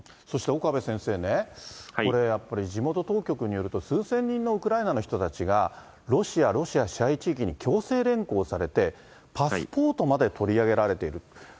そして岡部先生ね、これ、やっぱり地元当局によると、数千人のウクライナの人たちが、ロシア、ロシア支配地域に強制連行されて、パスポートまで取り上げられていると。